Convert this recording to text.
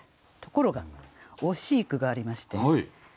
ところが惜しい句がありまして。